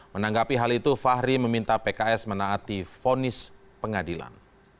menanggapi hal itu fahri meminta pks menaati fonis pengadilan